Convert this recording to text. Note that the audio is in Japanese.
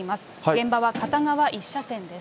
現場は片側１車線です。